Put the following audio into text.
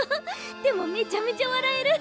でもめちゃめちゃ笑える。